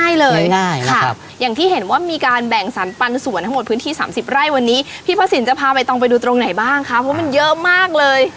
ได้ค่ะอย่างที่เห็นว่ามีการแบ่งสรรปันส่วนทั้งหมดพื้นที่๓๐ไร่วันนี้พี่พระสินจะพาใบตองไปดูตรงไหนบ้างคะเพราะมันเยอะมากเลย